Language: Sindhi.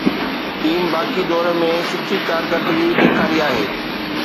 ٽيم باقي دوري ۾ سٺي ڪارڪردگي ڏيکاري آهي.